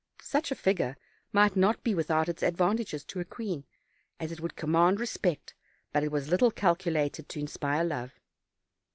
Such a figure might not be without its advantages to a queen, as it would command respect; 252 OLD, OLD FAIRY TALES. but it was little calculated to inspire love.